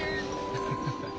ハハハハッ。